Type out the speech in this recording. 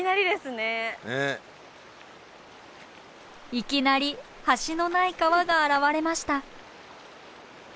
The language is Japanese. いきなり橋のない川が現れました。